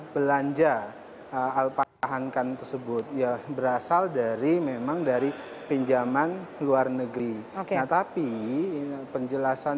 belanja alpatahankan tersebut ya berasal dari memang dari pinjaman luar negeri nah tapi penjelasan